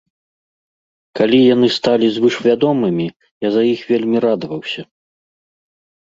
Калі яны сталі звышвядомымі, я за іх вельмі радаваўся.